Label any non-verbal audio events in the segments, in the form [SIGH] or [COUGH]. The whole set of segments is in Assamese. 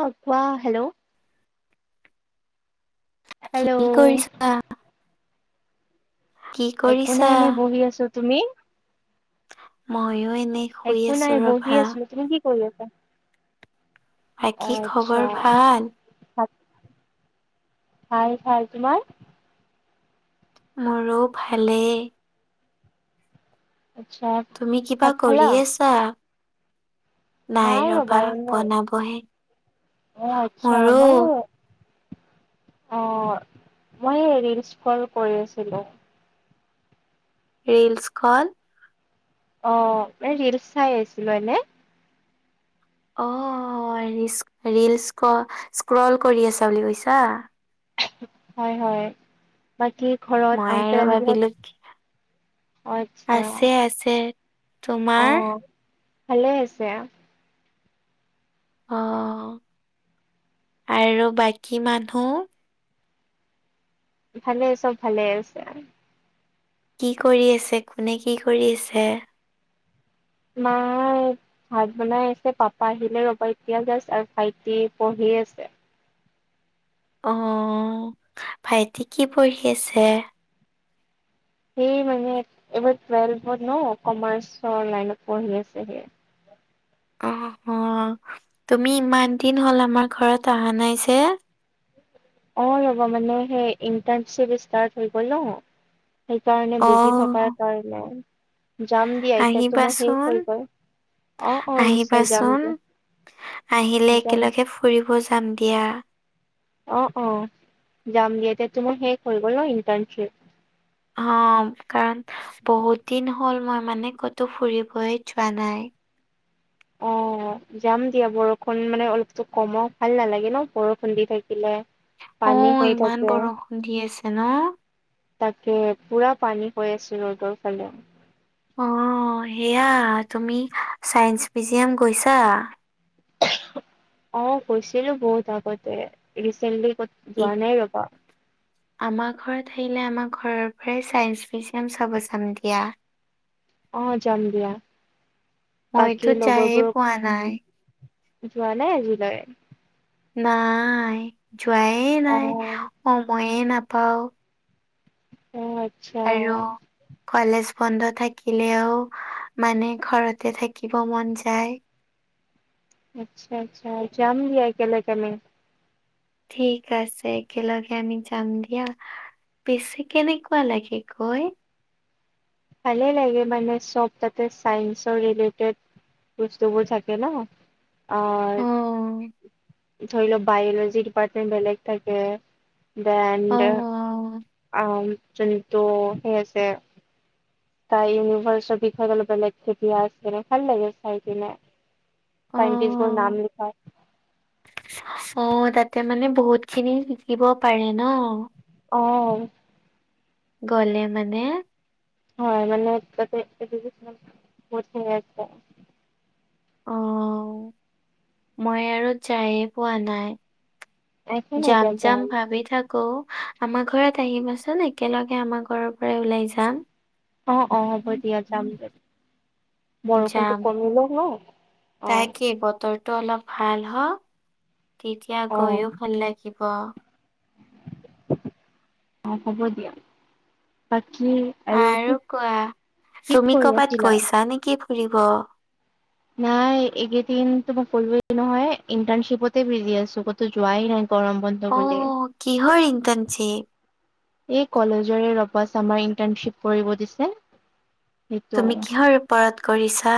অ কোৱা হেল্ল' হেল্ল' কি কৰিছা? কি একো কৰিছা নাই এনে বহি আছো, তুমি? মইয়ো এনেই। শুই একো আছো নাই বহি ৰবা আছো, তুমি কি কৰি আছা? অ বাকী আচ্ছা খবৰ ভাল? ভাত ভাল ভাল, তোমাৰ? মোৰো ভালেই। আচ্ছা তুমি কিবা ভাত খালা কৰি আছা? নাই ৰবা এনেই অ আচ্ছা মোৰো মই অ মই ৰিলচ স্কল কৰি আছিলো। ৰিলছস্কল অ মানে ৰিলচ চাই আছিলো এনে। অ ৰিলছ ৰিলছ স্ক স্ক্ৰল কৰি আছা বুলি কৈছা হয় হয় বাকী ঘৰত মই আৰু আংকল আন্টি ভাবিলো কি- হয় অ আচ্ছা আছে আছে অ তোমাৰ ভালে আছে। অ আৰু বাকী মানুহ ভালে চব ভালে আছে। কি কৰি আছে, কোনে কি কৰি আছে? মাই ভাত বনাই আছে পাপা আহিলে ৰবা এতিয়া জাষ্ট আৰু ভাইটি পঢ়ি আছে। অ ভাইটি কি পঢ়ি আছে? সেই মানে এইবাৰ টুৱেলভত ন কমাৰ্চৰ লাইনত পঢ়ি আছে যে। অ অ তুমি ইমান দিন হ'ল আমাৰ ঘৰত অহা নাই যে। অ ৰ'বা মানে সেই ইণ্টাৰ্ণশ্বিপ ষ্টাৰ্ট হৈ গ'ল ন। সেইকাৰণে বিজি থকাৰ অ'। কাৰণে যাম দিয়া এতিয়াতো মোৰ শেষ আহিবাচোন, হৈ গল। অ অ নিশ্চয় যাম আহিবাচোন, দিয়া। আহিলে যাম একেলগে দিয়া ফুৰিব যাম দিয়া। অ অ যাম দিয়া এতিয়া তোমাৰ শেষ হৈ গ'ল ন ইণ্টাৰ্ণশ্বিপ। অ কাৰণ বহুত দিন হ'ল মই মানে ক'তো ফুৰিবই যোৱা নাই। অ। যাম দিয়া বৰষুণ মানে অলপতো কমক ভাল নালাগে ন বৰষুণ দি থাকিলে। অ পানী হৈ ইমান থাকে বৰষুণ দি আছে ন। তাকে পুৰা পানী হৈ আছে ৰ'দৰ ফালে। অ সেয়া তুমি চাইন্স মিউজিয়াম গৈছা? অ গৈছিলো বহুত আগতে ৰিচেন্টলি ক'ত যোৱা নাই ৰ'বা। আমাৰ ঘৰত আহিলে আমাৰ ঘৰৰ পৰাই চাইন্স মিউজিয়াম চাব যাম দিয়া। অ যাম দিয়া মইতো বাকী যায়ে পোৱা নাই। লগৰবোৰক যোৱা নাই আজিলৈ। নাই যোৱাই অ নাই সমযে নাপাওঁ। অ আচ্ছা আৰু কলেজ বন্ধ থাকিলেও মানে ঘৰতে থাকিব মন যায়। আচ্ছা আচ্ছা যাম দিয়া একেলগে আমি। ঠিক আছে একেলগে আমি যাম দিয়া। পিছি কেনেকুৱা লাগে গৈ? ভালে লাগে মানে চব তাতে চাইন্সৰ ৰিলেটেড বস্তবোৰ থাকে ন অ ধৰিল বায়লজি ডিপাৰ্টমেট বেলেগ থাকে [UNINTELLIGIBLE] অ', আহ যোনতো সেই আছে তাই ইউনিভাৰছৰ বিষয় অলপ বেলেগ কে দিয়া ভাল লাগে চাই কিনে। চাইন্টিষ্টৰ অ', নাম লিখা অ তাতে মানে বহুত খিনি শিকিব পাৰে ন। অ। গ'লে মানে হয় মানে তাতে [UNINTELLIGIBLE] অ মই আৰু যায়ে পোৱা নাই। একো নাই যাম দিয়া যাম ভাবি থাক কো আমাৰ ঘৰত আহিবাচোন একেলগে আমাৰ ঘৰৰ পৰাই ওলাই যাম। অ অ হ'ব দিয়া যাম যদি বৰষুণটো কমিলওক ন। অ তাকেই বতৰটো অলপ ভাল হওঁক, তেতিয়া অ গৈয়ো ভাল লাগি সিব অ হ'ব দিয়া। বাকী আৰু কোৱা কি তুমি কৰি ক'ৰবাত আছিলা গৈছা নেকি ফুৰিব? নাই এইকেইদিন তো মই কলোৱে নহয় ইণ্টাৰ্শিপতে বিজি আছোঁ কতো যোৱাই নাই গৰম বন্ধ অ বুলি কিহৰ ইন্তানচিপ? এই কলেজৰে ৰবাচ আমাৰ ইন্টাৰশ্বিপ কৰিব দিছে। সেইটো তুমি কিহৰ ওপৰত কৰিছা?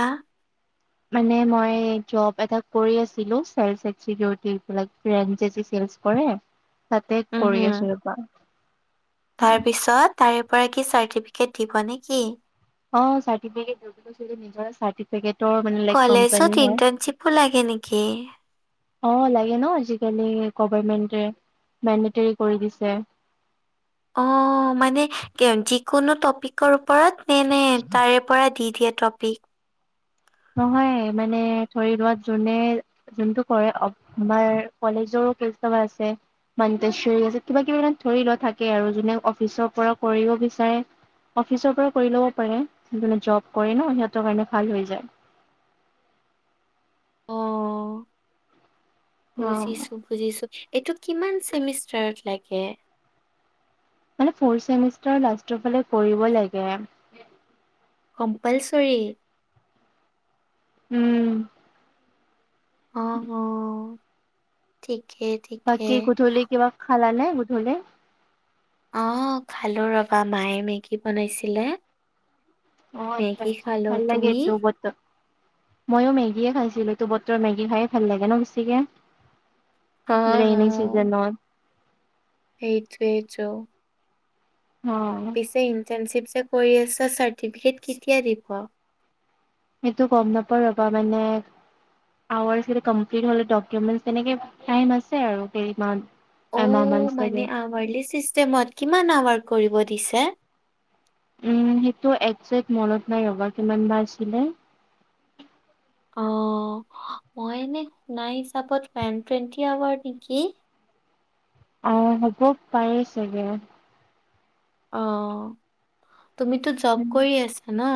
মানে মই জব এটা কৰি আছিলো চাৰ একচ চিকৰটি এইবিলাক ৰেঞজ যি চেলচ কৰে তাতে উম, কৰি আছোঁ ৰ'বা। তাৰ পিছত তাৰে পৰা কি চাৰ্টিফিকেট দিব নে নেকি? অ চাৰটিফিকেট [UNINTELLIGIBLE] নিজৰে চাৰ্তি পেকটৰ মানে লেক কলেজত কোম্পানী হয়। ইণ্টাৰ্ণশ্বিপো লাগে নেকি? অ লাগে ন আজিকালি গভাৰমেন্টে মেণ্টেৰী কৰি দিছে। অ মানে যিকোনো টপিকৰ ওপৰত [UNINTELLIGIBLE] তাৰে পৰা দি দিয়ে টপিক। নহয় মানে ধৰি লোৱা যোনে। যোনটো কৰে অব আমাৰ কলেজৰো [UNINTELLIGIBLE] আছে। মানতেশৰী আছে কিবা কিবা এ ধৰি লোৱা থাকে আৰু যোনে অফিচৰ পৰা কৰিব বিচাৰে। অফিচৰ পৰা কৰি ল'ব পাৰে যোনে জব কৰে ন' সিহঁতৰ কাৰণে ভাল হৈ যায়। অ' অ বুজিছোঁ। বুজিছোঁ এইটো কিমান চেমিষ্টাৰত লাগে। মানে ফৰ্থ চেমিষ্টাৰ লাষ্টৰ ফালে কৰিব লাগে। কম্পাল চৰি। উম। অ' অ' ঠিকে। ঠিকে। বাকি গধুলি কিবা খালা নে গধুলি? অ' খালোঁ ৰবা মায়ে মেগী বনাইছিলে। অ' আচ্ছা মেগী -আচ্ছা খালো। ভাললাগে তুমি? এইটো বতৰত। ময়ো মেগীয়ে খাইছিলোঁ এইটো বতৰ মেগী খাইয়ে ভাল লাগে ন বেছিকে। অ' ৰেইনী অ' চিজনত। সেইটোৱেইটো। অ' পিছে ইনট্ৰানচিপহে কৰি আছা চাৰ্টিফিকেট কেতিয়া দিব? সেইটো গম নাপাও ৰবা মানে। আৱাৰ গিতা কম্লিট হলে ডকুমেণ্টছ তেনেকে টাইম আছে আৰু কেইমান। অ' মানে আৱাৰলি চিষ্টেমত কিমান আৱাৰ কৰিব দিছে। উম সেইটো একজেক্ট মনত নাই ৰ'বা কিমান বা আছিলে। অ' মই এনে শুনা হিচাপত টেন টুৱেণ্টি আৱাৰ নেকি। অ হ'ব পাৰেই চাগে অ' অ' তুমিতো জব কৰি আছা ন?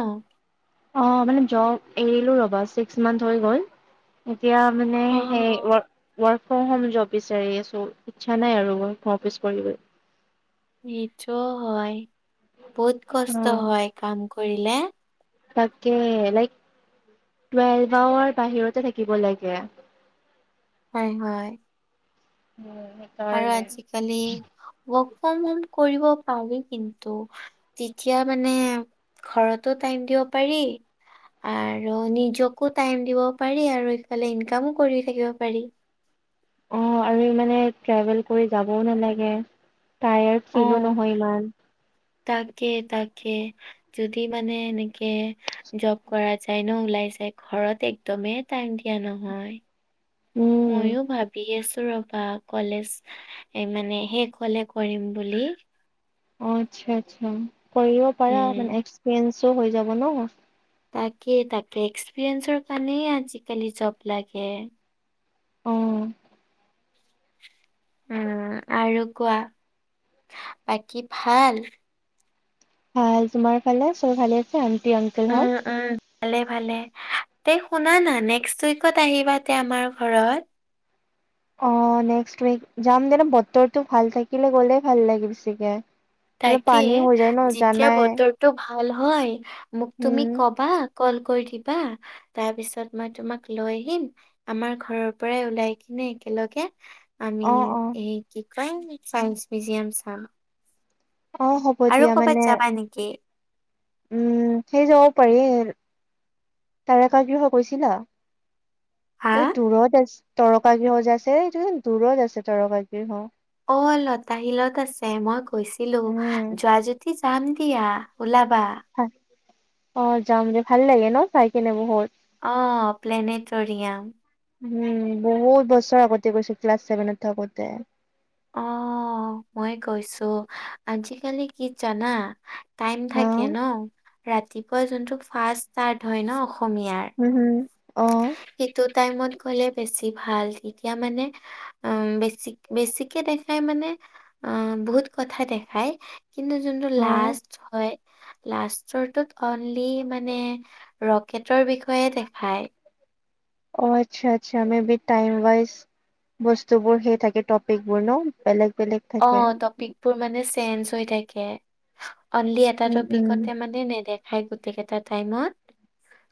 অ' মানে জব এৰিলো ৰবা ছিক্স মান্থ হৈ গ'ল এতিয়া। মানে সেই অ' ৱৰ ৱৰ্ক ফ্ৰম হোম জব বিচাৰি আছো ইচ্ছা নাই আৰু ৱৰ্ক ফ্ৰম অফিচ কৰিবলৈ। সেইটো হয় বহুত অ কষ্ট হয় কাম কৰিলে। তাকে লাইক টুৱেলভ আৱাৰ বাহিৰতে থাকিব লাগে। হয় হয়। উম। আৰু সেইকাৰণে আজিকালি ৱৰ্ক ফ্ৰম হোম কৰিব পাৱে কিন্তু। তেতিয়া মানে ঘৰতো টাইম দিব পাৰি। আৰু নিজকো টাইম দিব পাৰি আৰু সফালে ইনকামো কৰি থাকিব পাৰি। অ' আৰু ইমান মানে ট্ৰেভেল কৰি যাবও নালাগে টায়াৰ্ড অ ফিলো নহয় ইমান। তাকে তাকে যদি মানে এনেকে জব কৰা। যাই ন ওলাই যায় ঘৰত একদমেই টাইম দিয়া নহয়। উম। ময়ো ভাবি আছো ৰবা কলেজ। এই মানে শেষ হলে কৰিম বুলি। অ' আচ্ছা -আচ্ছা কৰিব পাৰা উম মানে এক্সপিৰিয়েঞ্চো হৈ যাব ন' তাকে তাকে এক্সপিৰিয়েঞ্চৰ কাৰণে আজিকালি জব লাগে। অ' উম আৰু কোৱা বাকী ভাল ভাল তোমাৰ ফালে চব ভালে আছে আমটি আংকাল উম হল উম ভালে ভালে তে শুন না নেষ্ট উইকত আহিবা তে আমাৰ ঘৰত অ নেক্সট উইক যাম দেনা বতৰটো ভাল থাকিলে গ'লেই ভাল লাগে বেছিকে মানে পানী হৈ যায় ন জানাই তটো ভাল হয় মোক তুমি উম, কবা কল কৰি দিবা তাৰ পিছত মই তোমাক লৈ আহিম আমাৰ ঘৰৰ পৰাই ওলাই কিনে একেলগে আমি অ', অ', এই কি কই চাইন্ মিউজিয়াম চাম অ হ'ব আৰু দিয়া মানে কৰ'বাত যাবা নেকি উম সেই যাব পাৰি তাৰকাগৃহ গৈছিলা হা এই দূৰত আছে তৰকা গৃহ যে আছে এই দূৰত আছে তৰকা গৃহ অ লতা শিলত আছে মই কৈছিলো উম যোৱা যোৱা যাম দিয়া ওলাবা অ যাম যে ভাল লাগে ন চাই কেনে বহুত অ প্লেনেটৰিয়াম উম বহুত বছৰ আগতে গৈছো ক্লাছ ছেভেনত থাকোতে অ মই কৈছো আজিকালি কি জানা টাইম হা থাকে ন ৰাতিপুৱা যোনটো ফাৰ্ষ্ট ষ্টাৰ্ট হয় ন অসমীয়াৰ উম হুম অ সেইটো টাইমত গ'লে বেছি ভাল তেতিয়া মানে উম বেছি বেছিকে দেখাই মানে অ বহুত কথা দেখায় কিন্তু যোনটো অ লাষ্ট হয় লাষ্টৰটোত অনলি মানে ৰকেটৰ বিষয়ে দেখায় অ আচ্ছা আচ্ছা মে টাইম ওৱাইজ বস্তুবোৰ সেই থাকে টপিকবোৰ ন বেলেগ বেলেগ অ থাকে। টপিকবোৰ মানে চেঞ্জ হৈ থাকে অনলি এটা উম উম টপিকতে মানে নেদেখায় গোটেইকেইটা টাইমত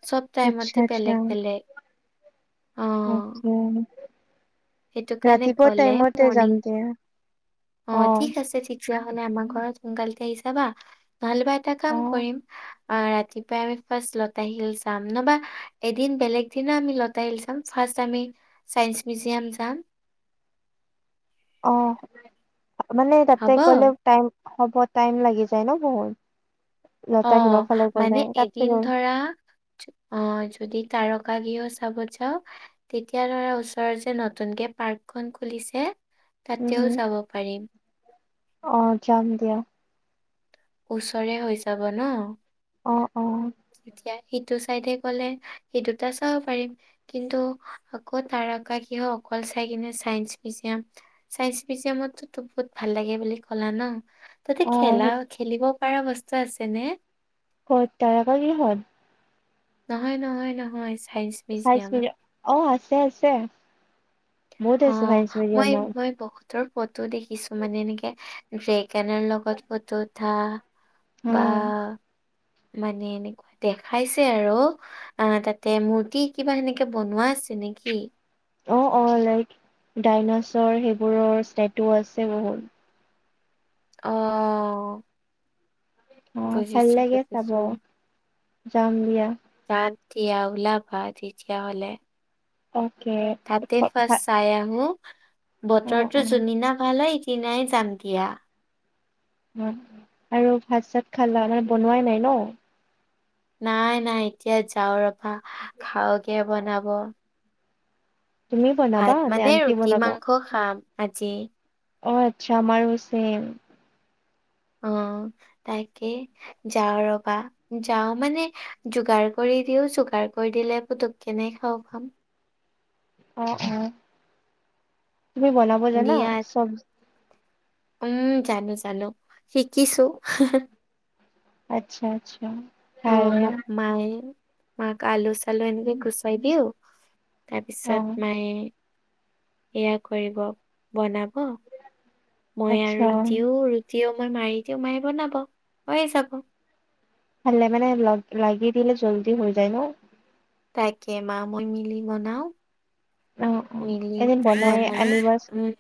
চব আচ্ছা টাইমতে বেলেগ বেলেগ অ আচ্ছা সেইটো কাৰণে ৰাতিপুৱা গ'লে টাইমতে যাম মৰ্ণিং দিয়া অ ঠিক আছে ঠিক তেতিয়া হলে আমাৰ ঘৰত সোনকালতে আহি যাবা নহ'লেবা এটা অ কাম কৰিম অ ৰাতিপুৱাই আমি ফাৰ্ষ্ট লতাশিল চাম নবা এদিন বেলেগ দিনা আমি লতাশিল চাম ফাৰ্ষ্ট আমি চাইন্স মিউজিয়াম যাম অ মানে তাতে হ'ব কলে টাইম হ'ব টাইম লাগি যায় ন বহুত অ লতা শিলৰ ফালে গ'লে মানে তাতে এদিন গ'ল ধৰা অ যদি তাৰকা গৃহ চাব যাওঁ তেতিয়া ধৰা ওচৰৰত যে নতুনকে পাৰ্ক খন খুলিছে উম হম তাতেও যাব পাৰিম অ যাম দিয়া ওচৰে হৈ যাব ন অ অ তেতিয়া সিটো চাইডে গ'লে সেই দুটা চাব পাৰিম কিন্তু আকৌ তাৰকা গৃহ অকল চাই কিনে চাইন্স মিউজিয়াম চাইন্স মিউজিয়ামতো বহুত ভাল লাগে ক'লা ন, তাতে অ খেলা, খেলিব পৰা বস্তু আছে নে? ক'ত তাৰকা গৃহত? নহয়, নহয়, নহয়, চাইঞ্চ চাইঞ্চ মিউজিয়াম, অ', আছে আছে, বহুত আছে চাইঞ্চ মিউজিয়ামত। তৰ ফটো দেখিছোঁ‌ মানে, এনেকে ড্ৰেগনৰ লগত ফটো উঠা। বা উম মানে এনেকুৱা দেখাইছে আৰু। অ ', তাতে মূৰ্তি কিবা সেনেকে বনোৱা আছে নে কি? অ'-অ', লাইক ডাইনাছৰ সেইবোৰৰ ষ্টেটো আছে বহুত। অ'-অ'-অ '। অ', ভাল লাগে চাব, বুজিছো যাম দিয়া। বাদ দিয়া ওলাবা তেতিয়াহ'লে। অ'কে। তাতে ফাৰ্ষ্ট অ চাই আহোঁ‌, অ বতৰটো অ যোনদিনা ভাল হয় দিনাই যাম দিয়া। আৰু ভাত চাত খালা মানে বনোৱাই নাই ন? নাই নাই এতিয়া যাও ৰ'বা খাওগে বনাব। তুমি বনাবা, ভাত নে মানে আনটি ৰুটি বনাব? মাংস খাম আজি অ', আচ্ছা আমাৰো ছেম। অ', তাকে, যাও ৰ'বা যাওঁ মানে যোগাৰ কৰি দিওঁ‌, যোগাৰ কৰি দিলে পুতুকেনে খাব পাম। অ'-অ', তুমি বনাব জানা দিয়া চব? উম, জানো জানো, শিকিছোঁ‌। আটচ্ছা আটচ্ছা। অ', মোক মায়ে, মাক আলু-চালু এনেকে গুচাই দিওঁ‌ অ তাৰপিছত, মায়ে এয়া কৰিব, বনাব, মই আচ্ছা আৰু দিওঁৰ। দিওঁ মই মাৰি দিওঁ মা বনাব হৈয়ে যাব ভালে মানে লগ-লাগি দিলে জল্দি হৈ যায় ন? তাকে মা মই মিলি বনাওঁ‌। অ অ মিলি বনালে, উম।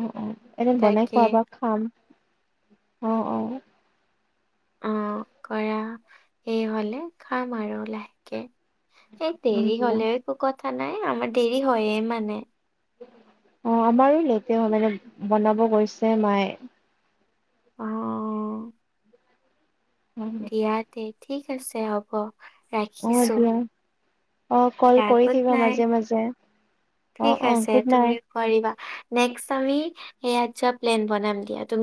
অ'-অ' এনেই বনাই তাকে খোৱা বোৱা খাম, অ'-অ'। উম, কৰা শেষ হ'লে খাম আৰু লাহেকে। সেই উম দেৰি দিয়া হলেও একো কথা নাই, আমাৰ দেৰি হয়ে মানে। অ', আমাৰো লেতে হয় মানে, বনাব গৈছে মায়ে। অ'। অ দিয়াতে ঠিক আছে হ'ব। অ ৰাখিছোঁ‌, দিয়া অ কল দিয়া, কৰি গুড থাকিবা মাজে নাইট। মাজে অ ঠিক অ আছে গুড নাইট তুমি কৰিবা, নেক্স আমি ইয়াত যোৱা প্লেন বনাম দিয়া, তুমি